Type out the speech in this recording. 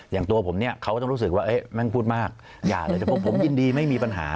อย่างตัวผมเนี่ยเขาก็ต้องรู้สึกว่าแม่งพูดมากอย่าเลยแต่พวกผมยินดีไม่มีปัญหา